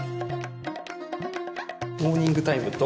モーニングタイムと